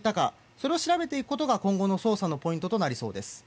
それを調べていくことが今後の捜査のポイントということです。